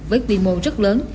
với viên mô rất lớn